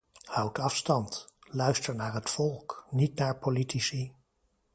Houd afstand, luister naar het volk, niet naar politici.